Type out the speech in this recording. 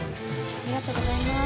ありがとうございます。